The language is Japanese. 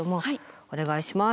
お願いします。